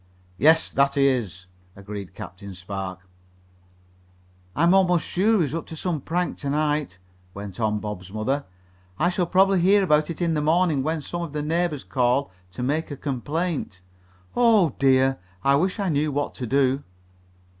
"Yes, that he is," agreed Captain Spark. "I am almost sure he was up to some prank tonight," went on Bob's mother. "I shall probably hear about it in the morning, when some of the neighbors call to make a complaint. Oh, dear, I wish I knew what to do!"